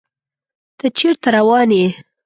ته چیرته روان یې؟